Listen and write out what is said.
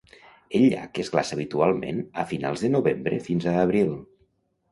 El llac es glaça habitualment a finals de novembre fins a abril.